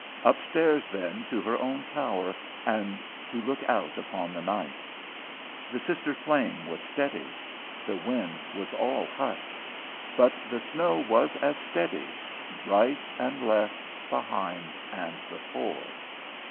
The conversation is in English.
Upstairs then to her own tower, and to look out upon the night. The sister flame was steady. The wind was all hushed. But the snow was as steady, right and left, behind and before.